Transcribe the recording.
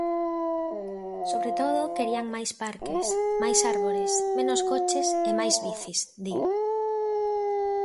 "Sobre todo querían máis parques, máis árbores, menos coches e máis bicis", di.